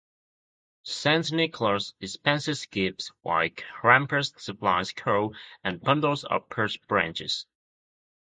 Saint Nicholas dispenses gifts, while Krampus supplies coal and bundles of birch branches.